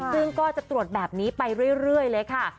ซึ่งก็จะตรวจแบบนี้ไปเรื่อยเลยค่ะ